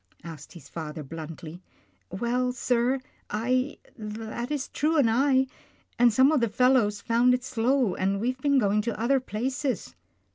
" asked his father bluntly. " Well, sir, I — that is True and I, and some of the fellows, found it slow, and we have been going to other places."